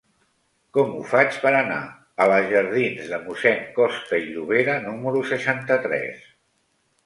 Com ho faig per anar a la jardins de Mossèn Costa i Llobera número seixanta-tres?